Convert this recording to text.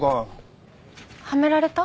はめられた？